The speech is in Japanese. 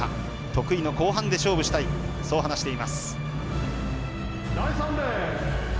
得意の後半で勝負したいそう話しています。